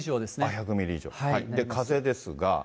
１００ミリ以上、で、風ですが。